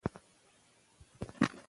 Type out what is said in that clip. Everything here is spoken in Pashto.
هغه د صفوي دولت له ظلمونو څخه ولس خلاص کړ.